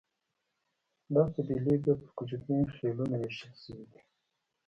دا قبیلې بیا پر کوچنیو خېلونو وېشل شوې دي.